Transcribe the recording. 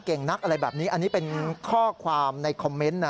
นักอะไรแบบนี้อันนี้เป็นข้อความในคอมเมนต์นะ